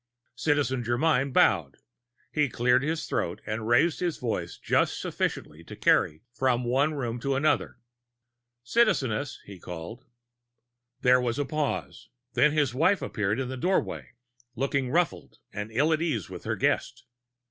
Citizen Germyn bowed. He cleared his throat and raised his voice just sufficiently to carry from one room to another. "Citizeness!" he called. There was a pause and then his wife appeared in the doorway, looking ruffled and ill at ease with her guest.